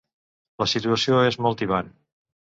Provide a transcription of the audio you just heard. La situació és molt tibant.